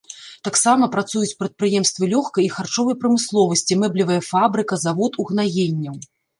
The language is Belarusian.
Таксама працуюць прадпрыемствы лёгкай і харчовай прамысловасці, мэблевая фабрыка, завод угнаенняў.